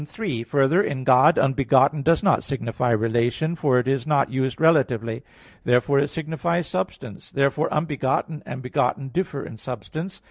3: Further, in God, "unbegotten" does not signify relation, for it is not used relatively. Therefore it signifies substance; therefore unbegotten and begotten differ in substance.